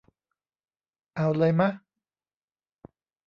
เอาเลยมะ ?